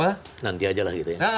ya nanti aja lah gitu ya